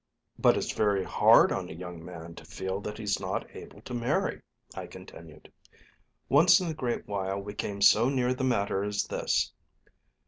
"But it's very hard on a young man to feel that he's not able to marry," I continued. Once in a great while we came so near the matter as this.